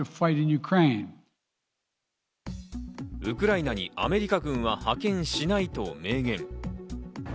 ウクライナにアメリカ軍は派遣しないと明言。